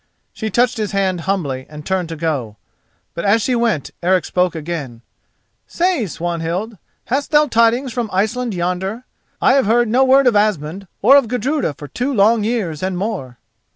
She touched his hand humbly and turned to go. But as she went Eric spoke again: "Say, Swanhild, hast thou tidings from Iceland yonder? I have heard no word of Asmund or of Gudruda for two long years and more."